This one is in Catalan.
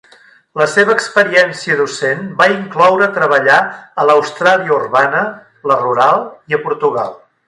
La seva experiència docent va incloure treballar a l'Austràlia urbana, la rural i a Portugal.